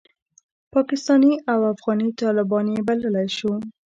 پاکستاني او افغاني طالبان یې بللای شو.